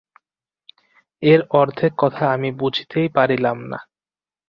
এর অর্ধেক কথা তো আমি বুঝিতেই পারিলাম না।